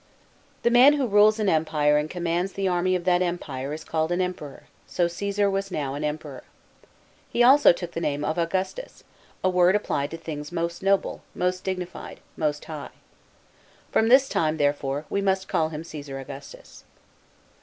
The man who rules an empire and commands the army of that empire is called an emperor ; so Cocsar was now an emperor. He also took the name of Augustus, a word applied to things most noble, most dignified, most high. From this time, there fore, we must call him Caesar Augustus.